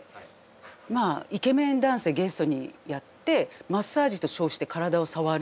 まあイケメン男性ゲストにやってマッサージと称して体を触る。